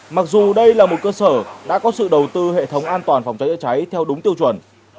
mặc dù đây là một cơ sở đã có sự đầu tư hệ thống an toàn phòng cháy chữa cháy theo đúng tiêu chuẩn